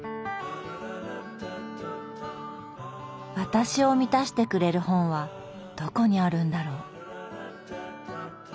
私を満たしてくれる本はどこにあるんだろう。